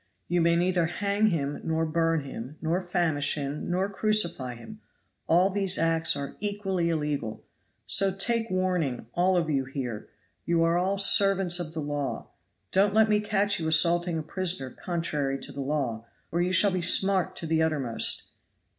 You may neither hang him nor burn him nor famish him nor crucify him, all these acts are equally illegal. So take warning, all of you here you are all servants of the law don't let me catch you assaulting a prisoner contrary to the law, or you shall smart to the uttermost.